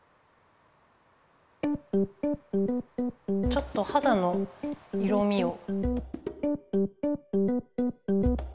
ちょっとはだの色みを。